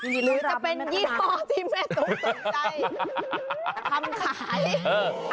หรือจะเป็นยี่ห้อที่แม่ตุ๊กสนใจจะทำขาย